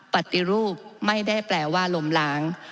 ปฏิรูปไม่ได้แปลว่าลมล้าง